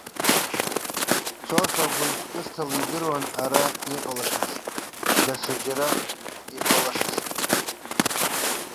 Сосо гәныхәҵысҭала идыруан ара иҟалашаз, даҽаџьара иҟалашазгьы.